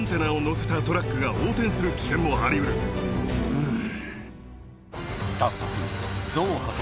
うん。